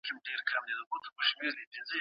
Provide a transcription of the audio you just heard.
د سردرد لپاره ارام او خوب مهم دي.